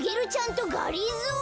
とがりぞー。